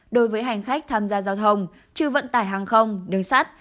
đối với hành khách tham gia giao thông trừ vận tải hàng không đường sắt